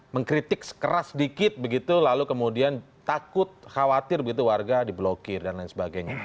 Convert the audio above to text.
mengkritik sekeras sedikit begitu lalu kemudian takut khawatir begitu warga diblokir dan lain sebagainya